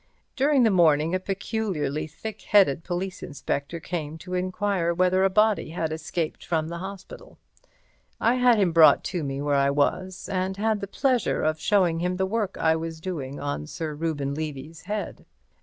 During the morning a peculiarly thickheaded police inspector came to inquire whether a body had escaped from the hospital. I had him brought to me where I was, and had the pleasure of showing him the work I was doing on Sir Reuben Levy's head.